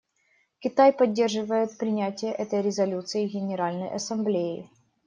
Китай поддерживает принятие этой резолюции Генеральной Ассамблеей.